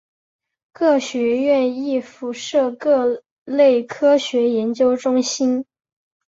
各学院亦附设各类科学研究中心。